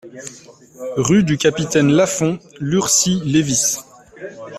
Rue du Capitaine Lafond, Lurcy-Lévis